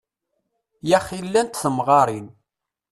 Yaxi llant temɣarin.